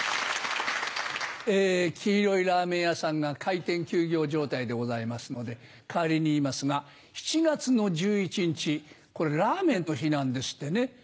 黄色いラーメン屋さんが開店休業状態でございますので代わりに言いますが７月１１日これ「ラーメンの日」なんですってね。